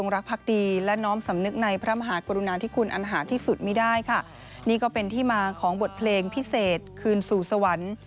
รุณาที่คุณอันหาที่สุดมีได้ค่ะนี่ก็เป็นที่มาของบทเพลงพิเศษคืนสู่สวรรค์